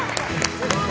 すごい！